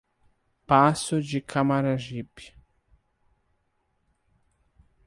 Passo de Camaragibe